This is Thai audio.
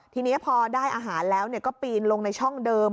ทีนี้พอได้อาหารแล้วก็ปีนลงในช่องเดิม